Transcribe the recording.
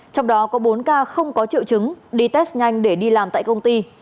trong đó có bốn ca không có triệu chứng đi test nhanh để đi làm tại công ty